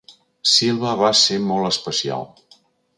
Silva va ser molt especial.